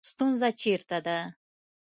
ستونزه چېرته ده